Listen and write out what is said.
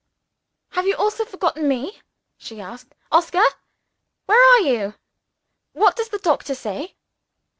"Have you all forgotten me?" she asked. "Oscar! where are you? What does the doctor say?"